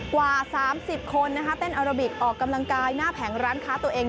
กว่า๓๐คนเต้นอาราบิกออกกำลังกายหน้าแผงร้านค้าตัวเอง